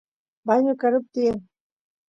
bañu karup tiyan